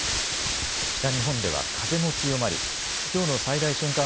北日本では風も強まりきょうの最大瞬間